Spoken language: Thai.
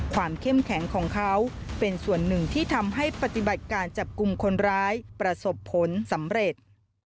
เข้มแข็งของเขาเป็นส่วนหนึ่งที่ทำให้ปฏิบัติการจับกลุ่มคนร้ายประสบผลสำเร็จ